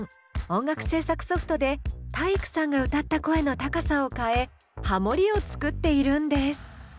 音楽制作ソフトで体育さんが歌った声の高さを変えハモリを作っているんです。